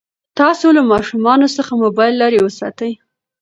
تاسو له ماشومانو څخه موبایل لرې وساتئ.